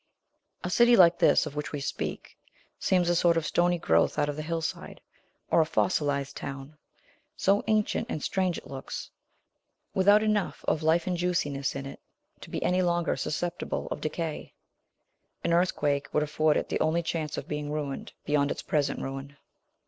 A city, like this of which we speak, seems a sort of stony growth out of the hillside, or a fossilized town; so ancient and strange it looks, without enough of life and juiciness in it to be any longer susceptible of decay. An earthquake would afford it the only chance of being ruined, beyond its present ruin.